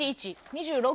２６